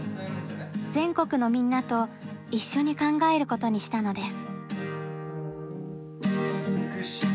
全国のみんなと一緒に考えることにしたのです。